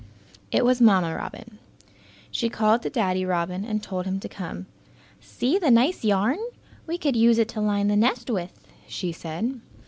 It was Mamma Robin. She called to Daddy Robin and told him to come. "See the nice yarn! We could use it to line the nest with," she said.